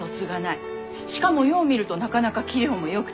しかもよう見るとなかなか器量もよくて。